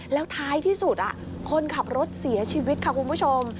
แล้วท้ายที่สุดคนขับรถเสียชีวิตค่ะคุณผู้ชม